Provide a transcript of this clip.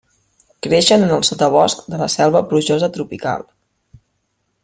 Creixen en el sotabosc de la selva plujosa tropical.